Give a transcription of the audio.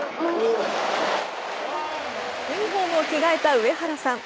ユニフォームを着替えた上原さん。